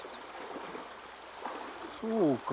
そうか。